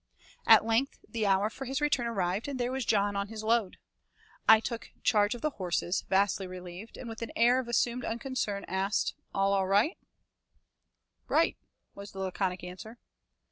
At length the hour for his return arrived, and there was John on his load. I took charge of the horses, vastly relieved, and with an air of assumed unconcern, asked, "All right?" "Right," was the laconic answer.